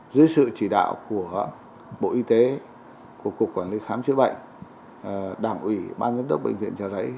dưới sự chỉ đạo của bộ y tế của cục quản lý khám chữa bệnh đảng ủy ban giám đốc bệnh viện trợ rẫy